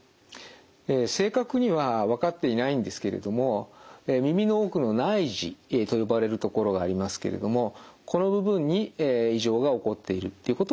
正確には分かっていないんですけれども耳の奥の内耳と呼ばれるところがありますけれどもこの部分に異常が起こっているっていうことは分かっています。